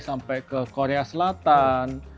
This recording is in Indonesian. sampai ke korea selatan